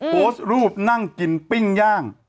โพสต์รูปนั่งกินปิ้งย่าง